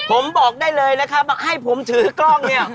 ผมบอกได้เลยนะครับว่าให้ผมถือกล้องเนี่ย